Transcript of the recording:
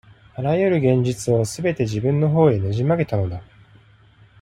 あらゆる現実を、すべて自分のほうへねじ曲げたのだ。